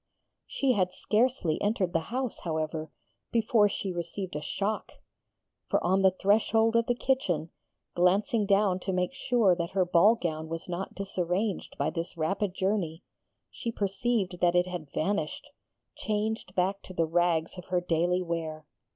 She had scarcely entered the house, however, before she received a shock. For on the threshold of the kitchen, glancing down to make sure that her ball gown was not disarranged by this rapid journey, she perceived that it had vanished changed back to the rags of her daily wear.